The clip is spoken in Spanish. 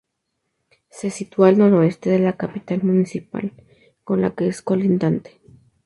Se sitúa al noroeste de la capital municipal, con la que es colindante.